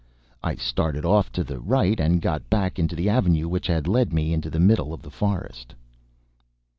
I started off to the right, and got back into the avenue which had led me into the middle of the forest.